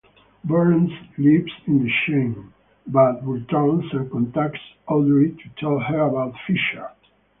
Burns leaves in shame, but returns and contacts Audrey to tell her about Fisher.